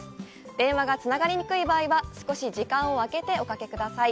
電話がつながりにくい場合は、少し時間をあけておかけください。